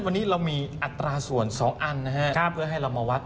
วันนี้เรามีอัตราส่วน๒อันนะฮะเพื่อให้เรามาวัด